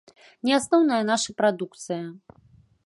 Не асноўная наша прадукцыя.